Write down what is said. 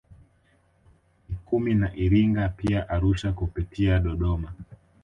Mikumi na Iringa pia Arusha kupitia Dodoma